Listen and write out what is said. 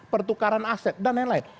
pertukaran aset dan lain lain